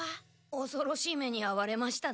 おそろしい目にあわれましたね。